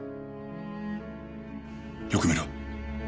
よく見ろ。